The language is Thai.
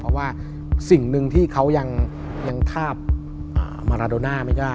เพราะว่าสิ่งหนึ่งที่เขายังทาบมาราโดน่าไม่ได้